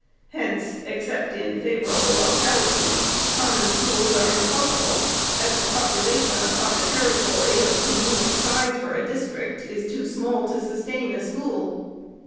Hence, except in favorable localities, Common Schools are impossible ; as the population upon a territory of con venient size for a district is too small to sustain a school.